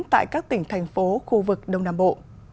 tại các tỉnh thành phố khu vực đông nam bộ